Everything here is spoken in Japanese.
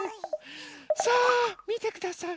さあみてください！